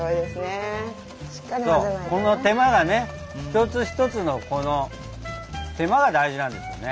この手間がねひとつひとつのこの手間が大事なんですよね。